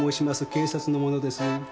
警察の者です。